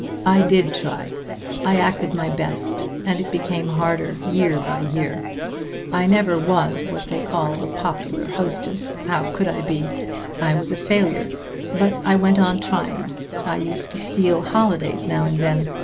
I did try. I acted my best. And it became harder year by year.... I never was what they call a popular hostess how could I be? I was a failure; but I went on trying.... I used to steal holidays now and then.